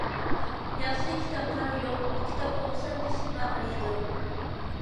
ياخشى كىتابلار يوق، كىتاب ئوقۇسام بېشىم ئاغرىيدۇ.